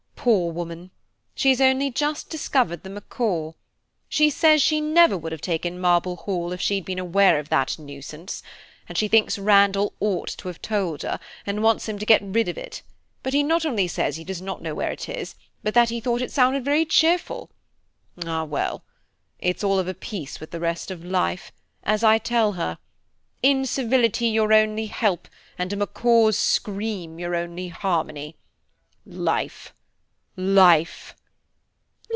Poor woman! She has only just discovered the macaw. She says she never would have taken Marble Hall if she had been aware of that nuisance, and she thinks Randall ought to have told her, and wants him to get rid of it; but he not only says he does not know where it is, but that he thought it sounded very cheerful. Ah well! it's all of a piece with the rest of life, as I tell her. Incivility your only help, and a macaw's scream your only harmony. Life! life!"